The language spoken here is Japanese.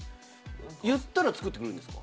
言ったら作ってくれるんですか？